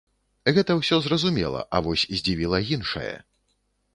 Гэта ўсё зразумела, а вось здзівіла іншае.